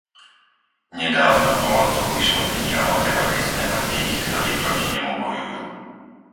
Nedávno v Holandsku vyšla kniha o terorizme a tých, ktorí proti nemu bojujú.